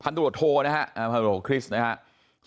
พันธโรโคริสท์นะครับ